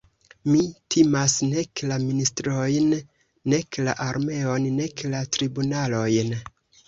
Mi timas nek la ministrojn, nek la armeon, nek la tribunalojn.